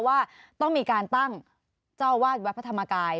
ว่าต้องมีการตั้งเจ้าวาดวัดพระธรรมกาย